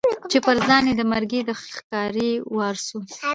چي پر ځان یې د مرګي د ښکاري وار سو